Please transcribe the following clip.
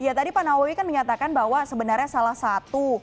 ya tadi pak nawi kan menyatakan bahwa sebenarnya salah satu